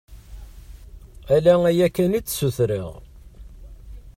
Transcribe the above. Ala aya kan i d-ssutreɣ.